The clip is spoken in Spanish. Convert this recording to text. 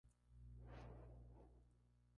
Con todo, es bastante común ver individuos solos.